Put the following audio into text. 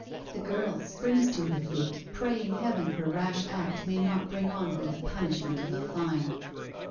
The girl springs to her feet praying Heaven her rash act may not bring on her the punishment of a fine.